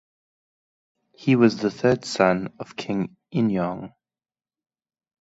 He was the third son of King Injong.